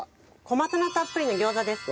小松菜たっぷりの餃子です。